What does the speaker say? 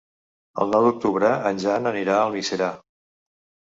El nou d'octubre en Jan anirà a Almiserà.